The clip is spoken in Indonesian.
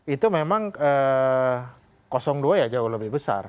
itu memang dua ya jauh lebih besar